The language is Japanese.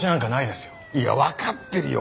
いやわかってるよ。